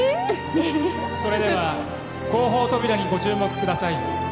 それでは後方扉にご注目ください